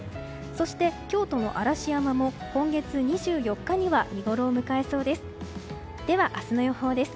そして、京都の嵐山も今月２４日には見ごろを迎えそうです。